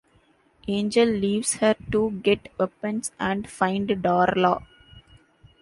Angel leaves her to get weapons and find Darla.